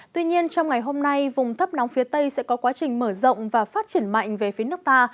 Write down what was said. tuy nhiên trong ngày hôm nay vùng thấp nóng phía tây sẽ có quá trình mở rộng và phát triển mạnh về phía nước ta